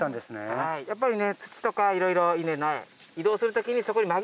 やっぱりね土とかいろいろ。